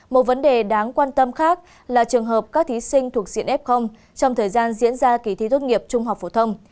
một vấn đề đáng quan tâm khác là trường hợp các thí sinh thuộc diện f trong thời gian diễn ra kỳ thi tốt nghiệp trung học phổ thông